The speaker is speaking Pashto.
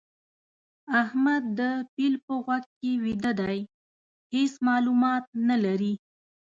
احمد د پيل په غوږ کې ويده دی؛ هيڅ مالومات نه لري.